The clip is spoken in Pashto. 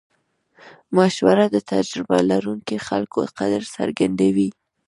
مشوره د تجربه لرونکو خلکو قدر څرګندوي.